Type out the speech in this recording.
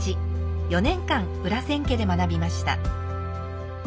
４年間裏千家で学びました。